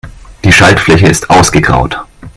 Die Schaltfläche ist ausgegraut.